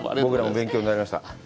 僕らも勉強になりました。